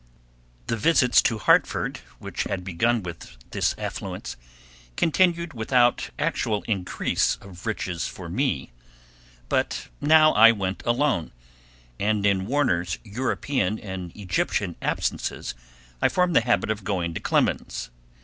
The visits to Hartford which had begun with this affluence continued without actual increase of riches for me, but now I went alone, and in Warner's European and Egyptian absences I formed the habit of going to Clemens.